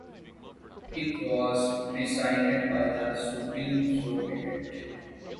It was preceded by the Supreme Soviet.